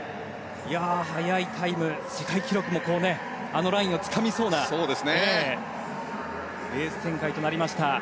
速いタイム、世界記録もあのラインをつかみそうなレース展開となりました。